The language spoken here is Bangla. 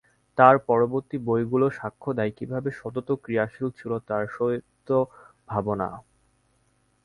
তার পরবর্তী বইগুলোও সাক্ষ্য দেয়, কীভাবে সতত ক্রিয়াশীল ছিল তার সাহিত্যভাবনা।